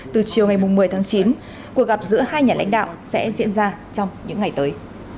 từ chiều ngày một mươi tháng chín cuộc gặp giữa hai nhà lãnh đạo sẽ diễn ra trong những ngày tới